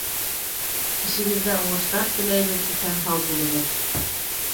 Эшегеҙҙә уңыштар теләйбеҙ, иҫән-һау булығыҙ!